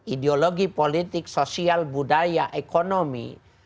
ideologi politik sosial budaya ekonomi